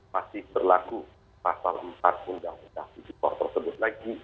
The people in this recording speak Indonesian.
masih berlaku pasal empat undang undang tipikor tersebut lagi